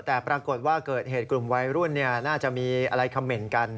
แต่ปรากฏว่าเกิดเหตุกลุ่มวัยรุ่นน่าจะมีอะไรคำเหม็นกัน